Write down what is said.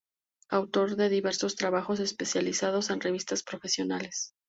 Autor de diversos trabajos especializados en revistas profesionales.